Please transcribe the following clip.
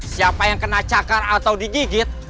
siapa yang kena cakar atau digigit